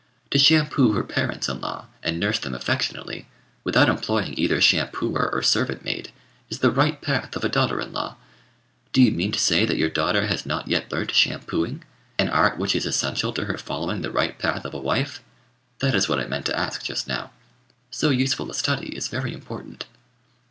To shampoo her parents in law, and nurse them affectionately, without employing either shampooer or servant maid, is the right path of a daughter in law. Do you mean to say that your daughter has not yet learnt shampooing, an art which is essential to her following the right path of a wife? That is what I meant to ask just now. So useful a study is very important."